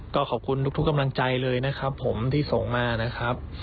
ก็ขอบคุณทุกกำลังใจเลยนะครับผมที่ส่งมานะครับ